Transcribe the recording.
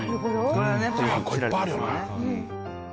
これいっぱいあるよな。